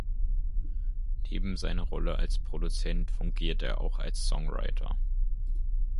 Neben seiner Rolle als Produzent fungiert er auch als Songwriter.